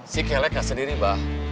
si kelek sendiri pak